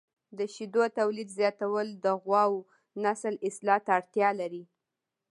د شیدو تولید زیاتول د غواوو نسل اصلاح ته اړتیا لري.